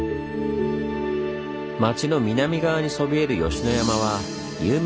町の南側にそびえる吉野山は有名な桜の名所。